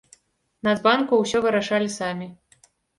Нацбанку ўсё вырашалі самі.